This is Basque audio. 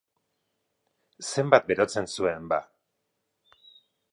Zenbat berotzen zuen, ba?